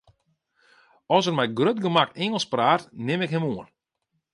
As er mei grut gemak Ingelsk praat, nim ik him oan.